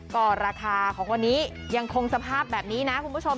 ก็ราคาของวันนี้ยังคงสภาพแบบนี้นะคุณผู้ชม